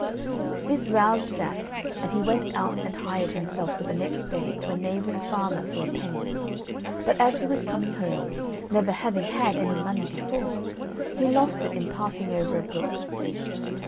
This roused Jack, and he went out and hired himself for the next day to a neighbouring farmer for a penny; but as he was coming home, never having had any money before, he lost it in passing over a brook.